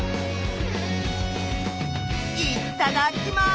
いっただっきます！